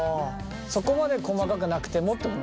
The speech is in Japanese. そこまで細かくなくてもってことなんですね？